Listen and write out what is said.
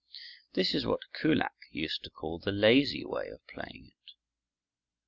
This is what Kullak used to call "the lazy way" of playing it.